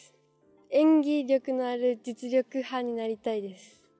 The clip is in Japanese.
演技力のある実力派になりたいです。